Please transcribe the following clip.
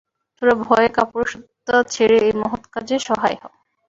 তোরা ভয় কাপুরুষতা ছেড়ে এই মহৎ কাজে সহায় হ।